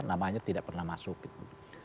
namanya tidak pernah masuk itu